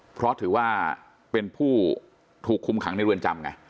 เพราะถือว่าเป็นผู้ถูกคุมขังในเรือนจำไง